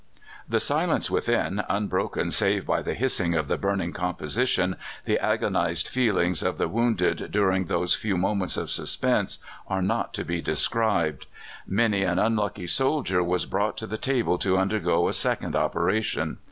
The silence within, unbroken save by the hissing of the burning composition, the agonized feelings of the wounded during those few moments of suspense, are not to be described. Many an unlucky soldier was brought to the table to undergo a second operation.